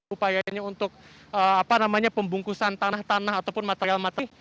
upayanya untuk pembungkusan tanah tanah ataupun material materi